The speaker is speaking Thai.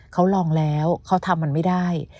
เขาลองแล้วเขาทำมันไม่ได้